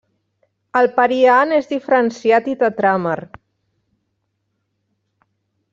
El periant és diferenciat i tetràmer.